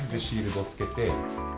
シールドつけて。